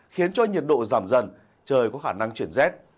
khiến cho nhiệt độ giảm dần trời có khả năng chuyển rét